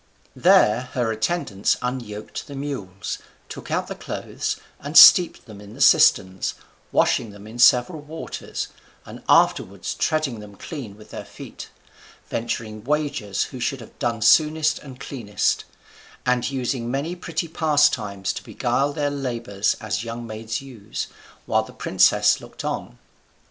There her attendants unyoked the mules, took out the clothes, and steeped them in the cisterns, washing them in several waters, and afterwards treading them clean with their feet, venturing wagers who should have done soonest and cleanest, and using many pretty pastimes to beguile their labours as young maids use, while the princess looked on.